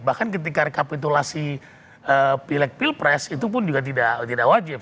bahkan ketika rekapitulasi pilek pilpres itu pun juga tidak wajib